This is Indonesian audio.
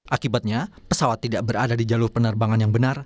akibatnya pesawat tidak berada di jalur penerbangan yang benar